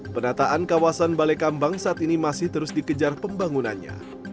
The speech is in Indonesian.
penataan kawasan balekambang saat ini masih terus dikejar pembangunannya